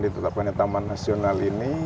ditetapkan taman nasional ini